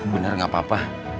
bener gak papa